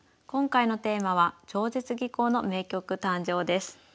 今回のテーマは「超絶技巧の名局誕生」です。